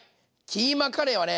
キーマカレーはね